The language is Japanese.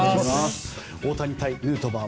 大谷対ヌートバー